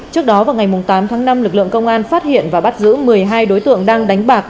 trước đó vào ngày tám tháng năm lực lượng công an phát hiện và bắt giữ một mươi hai đối tượng đang đánh bạc